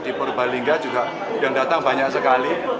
di purbalingga juga yang datang banyak sekali